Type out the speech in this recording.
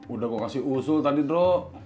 udah kok kasih usul tadi nro